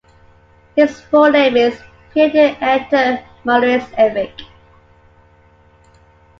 His full name is Pieter Anton Maurits Erik.